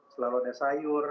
selalu ada sayur